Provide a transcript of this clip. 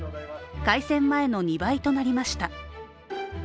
改選前の２倍となりました。